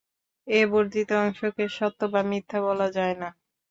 এ বর্ধিত অংশকে সত্য বা মিথ্যা বলা যায় না।